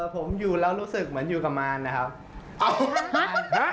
ผมอยู่แล้วรู้สึกเหมือนอยู่กับมารนะครับ